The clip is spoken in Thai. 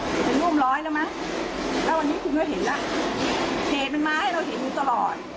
ไปร่วมร้อยแล้วมั้งแล้ววันนี้คุณก็เห็นแล้วเหตุมันมาให้เราเห็นอยู่ตลอด